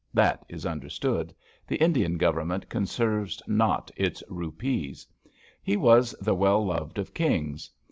That is understood. The Indian Government conserves not its rupees. He was the well loved of kings.